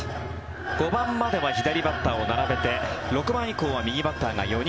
５番までは左バッターを並べて６番以降は右バッターが４人。